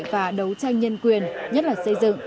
và đấu tranh nhân quyền nhất là xây dựng